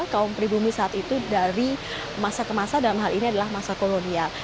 kaum pribumi saat itu dari masa ke masa dalam hal ini adalah masa kolonial